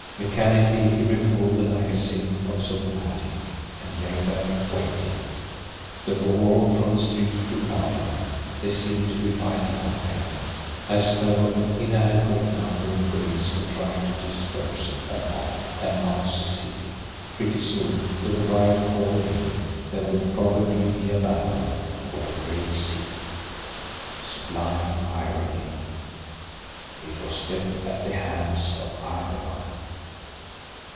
Mechanically he refilled the magazine of his automatic and lay there, waiting. The roar from the street grew louder. They seemed to be fighting out there, as though an inadequate number of police were trying to disperse a mob and not succeeding! Pretty soon, with the riot call in, there would probably be a battle for the Gray Seal! Sublime irony! It was death at the hands of either one!